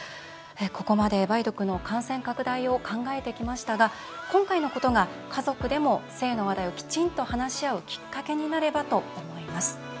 ここまで梅毒の感染拡大を考えてきましたが今回のことが家族でも性の話題をきちんと話し合うきっかけになればと思います。